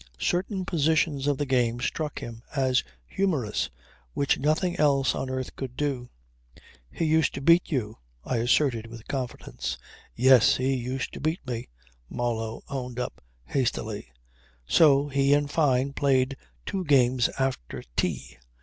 Certain positions of the game struck him as humorous, which nothing else on earth could do ... "He used to beat you," I asserted with confidence. "Yes. He used to beat me," Marlow owned up hastily. So he and Fyne played two games after tea.